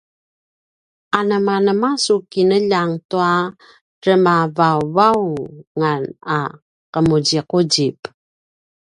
anemanema a su kinljang tua remavauvaungan a ’emuzimuzip?